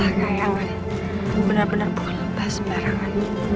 lebah kayangan benar benar bukan lebah sembarangan